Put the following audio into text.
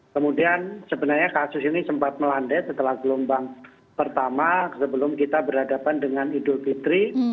kemudian sebenarnya kasus ini sempat melandai setelah gelombang pertama sebelum kita berhadapan dengan idul fitri